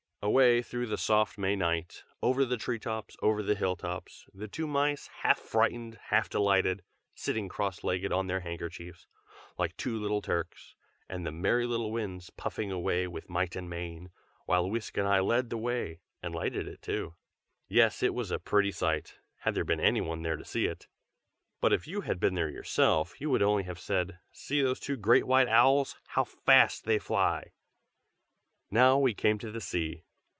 Away through the soft May night, over the tree tops, over the hill tops, the two mice, half frightened, half delighted, sitting cross legged on their handkerchiefs, like two little Turks, and the merry little Winds puffing away with might and main, while Whisk and I led the way, and lighted it too. Yes, it was a pretty sight, had there been any one there to see it. But if you had been there yourself, you would only have said "See those two great white owls! how fast they fly." Now we came to the sea.